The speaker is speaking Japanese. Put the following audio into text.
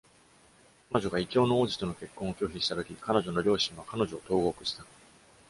彼女が異教の王子との結婚を拒否したとき、彼女の両親は彼女を投獄した。